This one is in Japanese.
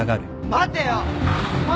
待てよ！